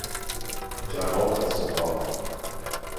جواب و سؤال